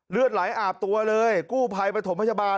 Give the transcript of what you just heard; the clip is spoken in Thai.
เลือดไหลอาบตัวเลยกู้ภัยประถมพยาบาล